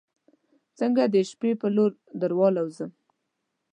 څنګه د شپې پر لور دروالوزم